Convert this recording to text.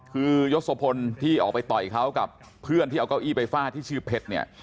คือยศพลที่ออกไปต่อยเขากับเพื่อนที่เอาเก้าอี้ไปฟาดที่ชื่อเพชรเนี่ย